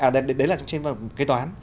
đấy là trên kế toán